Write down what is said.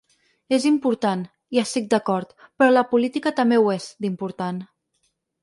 És important, hi estic d’acord, però la política també ho és, d’important.